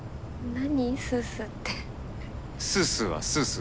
何？